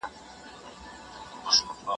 چا دا پریکړه وکړه چي دوستان به مو یو وي؟